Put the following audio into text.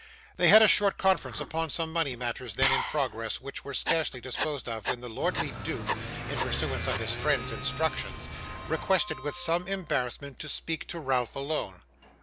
They had a short conference upon some money matters then in progress, which were scarcely disposed of when the lordly dupe (in pursuance of his friend's instructions) requested with some embarrassment to speak to Ralph alone.